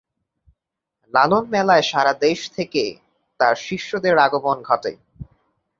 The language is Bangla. লালন মেলায় সারা দেশ থেকে তার শিষ্যদের আগমন ঘটে।